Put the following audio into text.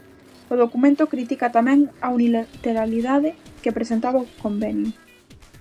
O documento critica tamén a "unilateralidade" que presentaba o convenio.